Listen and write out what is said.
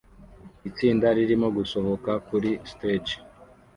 Itsinda ririmo gusohoka kuri stage